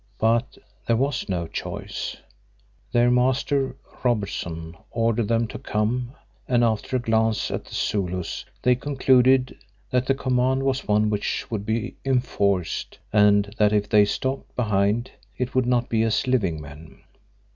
But there was no choice. Their master, Robertson, ordered them to come and after a glance at the Zulus they concluded that the command was one which would be enforced and that if they stopped behind, it would not be as living men.